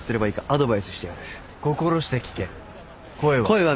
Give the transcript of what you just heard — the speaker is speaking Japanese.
声は。